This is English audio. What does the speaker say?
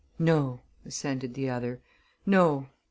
"No," assented the other. "No.